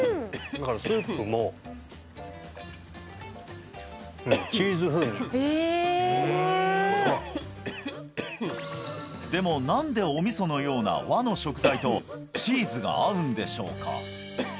だからスープもええでも何でお味噌のような和の食材とチーズが合うんでしょうか？